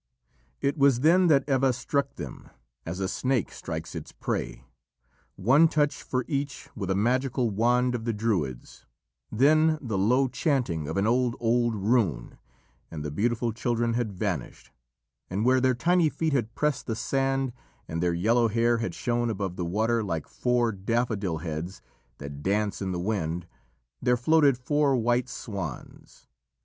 It was then that Eva struck them, as a snake strikes its prey. One touch for each, with a magical wand of the Druids, then the low chanting of an old old rune, and the beautiful children had vanished, and where their tiny feet had pressed the sand and their yellow hair had shown above the water like four daffodil heads that dance in the wind, there floated four white swans.